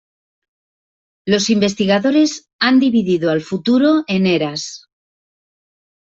Los investigadores han dividido al futuro en Eras.